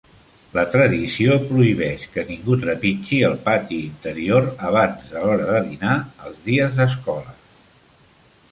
La tradició prohibeix que ningú trepitgi el pati interior abans de l'hora de dinar els dies d'escola.